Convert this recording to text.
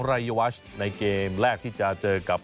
รายวัชในเกมแรกที่จะเจอกับ